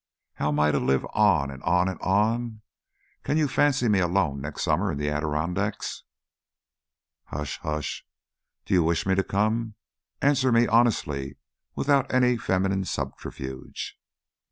How am I to live on and on and on? Can you fancy me alone next summer in the Adirondacks " "Hush! Hush! Do you wish me to come? Answer me honestly, without any feminine subterfuge."